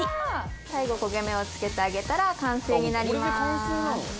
最後焦げ目を付けてあげたら完成になります。